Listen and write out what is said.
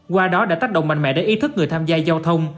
qua đó đã tách động mạnh mẽ để ý thức người tham gia giao thông